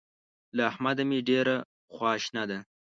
له احمده مې ډېره خواشنه ده.